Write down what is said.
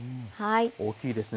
大きいですね